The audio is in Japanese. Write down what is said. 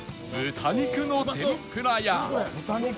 豚肉の天ぷら？